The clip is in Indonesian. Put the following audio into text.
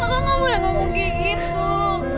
kak maka gak boleh ngebukti gitu